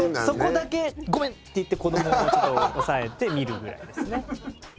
そこだけごめんって言って子どものこと押さえて見るぐらいですね。